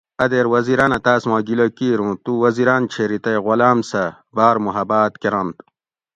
اۤ دیر وزیراۤنہ تاۤس ما گِلہ کِیر اُوں تو وزیراۤن چھیری تئ غلامۤ سہۤ باۤر محباۤت کرنت